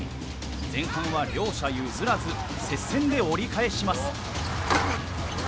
前半は両者譲らず接戦で折り返します。